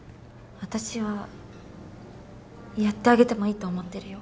私はやってあげてもいいと思ってるよ。